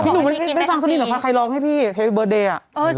พี่หนุ่มไม่ได้ฟังสะดีแต่พาใครร้องให้พี่เฮวิบเบิลเตย์